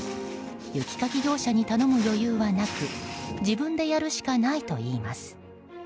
雪かき業者に頼む余裕はなく自分でやるしかないといいます。